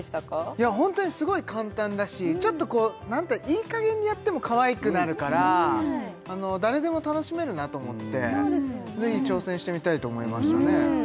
いやホントにすごい簡単だしちょっとこうなんかいい加減にやっても可愛くなるから誰でも楽しめるなと思ってぜひ挑戦してみたいと思いましたね